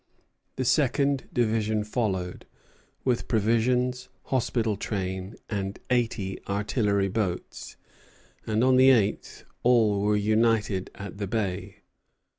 The second division followed, with provisions, hospital train, and eighty artillery boats; and on the eighth all were united at the bay.